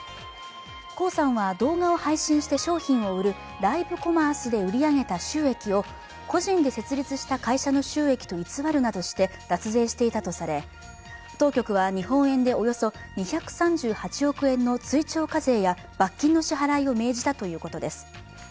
黄さんは動画を配信して商品を売るライブコマースで売り上げた収益を個人で設立した会社の収益と偽るなどして脱税していたとされ、当局は日本円でおよそ２３８億円の追徴課税や罰金の支払いを命じたということです。